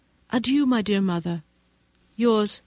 Adieu, my dear mother. Yours, &c.